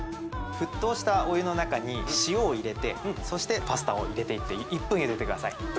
沸騰したお湯の中に塩を入れてそしてパスタを入れていって１分茹でてください。